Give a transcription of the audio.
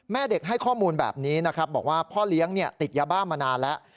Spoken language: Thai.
แม่เด็กให้ข้อมูลแบบนี้นะครับบอกว่าพ่อเลี้ยงติดยาบ้ามานานแล้ว